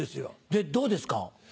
でどうですか？